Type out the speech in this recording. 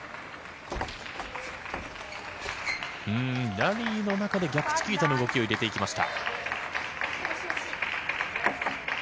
ラリーの中で逆チキータの動きを入れていきました。